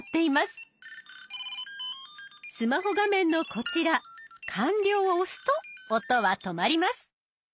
スマホ画面のこちら「完了」を押すと音は止まります。